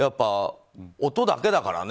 音だけだからね。